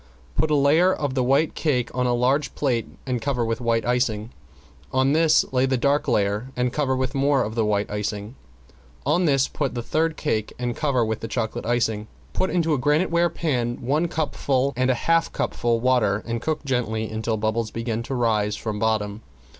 Put a layer of the white cake on a large plate and cover with white icing, on this lay a dark layer and cover with more of the white icing. On this put the third cake and cover with the chocolate icing. Put into a graniteware pan one cupful and a half cupful water and cook gently until bubbles begin to rise from bottom.